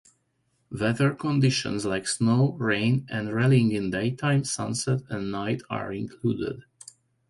Weather conditions like snow, rain, and rallying in daytime, sunset and night are included.